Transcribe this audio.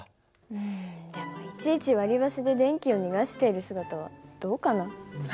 うんでもいちいち割り箸で電気で逃がしている姿はどうかな？